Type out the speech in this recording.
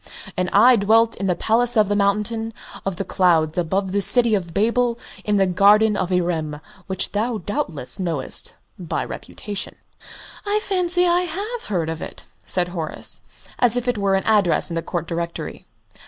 And I dwelt in the Palace of the Mountain of the Clouds above the City of Babel in the Garden of Irem, which thou doubtless knowest by repute?" "I fancy I have heard of it," said Horace, as if it were an address in the Court Directory.